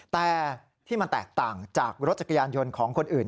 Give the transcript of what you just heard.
แต่ที่มันแตกต่างจากรถจักรยานยนต์ของคนอื่น